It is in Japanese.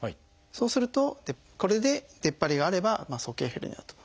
そうするとこれで出っ張りがあれば鼠径ヘルニアと。